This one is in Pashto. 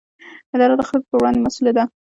اداره د خلکو پر وړاندې مسووله ده.